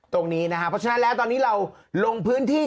ตรงนี้นะครับเพราะฉะนั้นแล้วตอนนี้เราลงพื้นที่